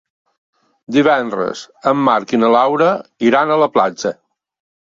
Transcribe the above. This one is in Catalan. Divendres en Marc i na Laura iran a la platja.